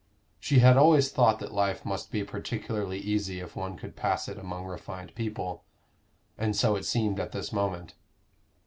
She had always thought that life must be particularly easy if one could pass it among refined people; and so it seemed at this moment.